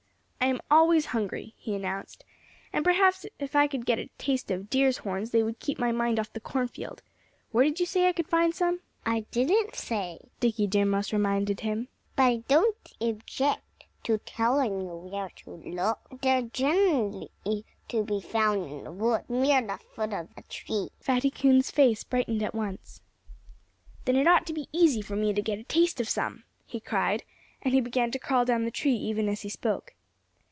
"I'm always hungry," he announced. "And perhaps if I could get a taste of deer's horns they would keep my mind off the cornfield. Where did you say I could find some?" "I didn't say," Dickie Deer Mouse reminded him; "but I don't object to telling you where to look. They're generally to be found in the woods, near the foot of a tree." Fatty Coon's face brightened at once. "Then it ought to be easy for me to get a taste of some," he cried. And he began to crawl down the tree even as he spoke.